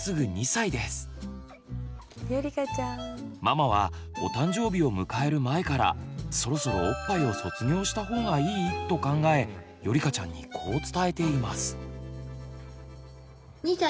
かちゃんはママはお誕生日を迎える前からそろそろおっぱいを卒業したほうがいい？と考えよりかちゃんにこう伝えています。